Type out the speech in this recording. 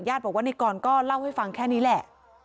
บอกว่าในกรก็เล่าให้ฟังแค่นี้แหละ